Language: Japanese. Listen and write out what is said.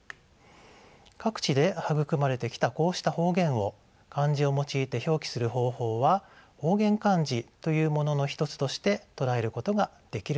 各地で育まれてきたこうした方言を漢字を用いて表記する方法は方言漢字というものの一つとして捉えることができるのです。